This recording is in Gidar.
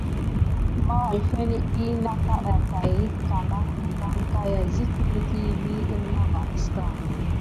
Mahəlfa net ɗyi nakaɗa tayəckal dəpaŋka, ya zət necki vi əlma vanəska.